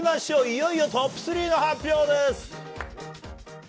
いよいよトップ３の発表です。